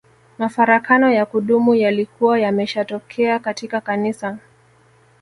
Mafarakano ya kudumu yalikuwa yameshatokea katika Kanisa